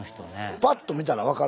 パッと見たらわかる？